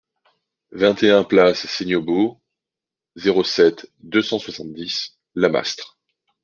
vingt et un place Seignobos, zéro sept, deux cent soixante-dix, Lamastre